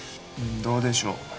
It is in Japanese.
どうでしょう